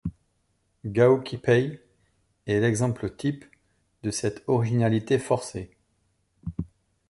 Gao Qipei est l'exemple type de cette originalité forcée.